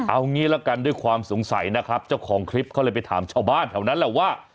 เอางี้ละกันด้วยความสงสัยนะครับเจ้าของคลิปเขาเลยไปถามชาวบ้านแถวนั้นแหละว่า